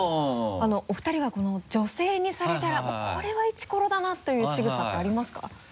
お二人は女性にされたらもうこれはいちころだなというしぐさってありますか？